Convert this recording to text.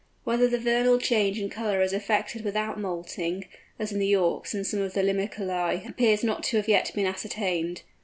Whether the vernal change in colour is effected without moulting, as in the Auks and some of the Limicolæ, appears not to have yet been ascertained.